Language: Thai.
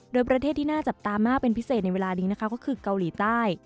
โดยประเทศที่น่าจับตามากเป็นพิเศษในเวลานี้นะคะก็คือเกาหลีใต้